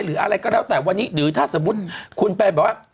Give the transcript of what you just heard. หรืออะไรก็แล้วแต่วันนี้หรือถ้าสมมุติคุณไปแบบว่า